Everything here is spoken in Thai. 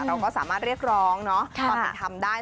เราก็สามารถเรียกร้องพอเป็นทำได้